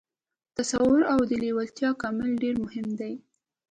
تصور او د لېوالتیا کمال ډېر مهم دي